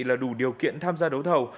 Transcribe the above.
là đủ điều kiện tham gia đấu thầu